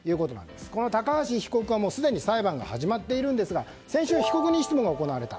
高橋被告はすでに裁判が始まっているんですが先週、被告人質問が行われた。